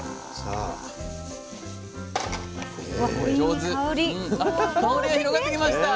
あ香りが広がってきました。